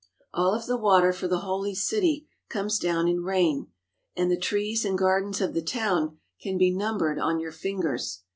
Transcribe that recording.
All of the water for the Holy City comes down in rain, and the trees and gardens of the town can be numbered on your fingers.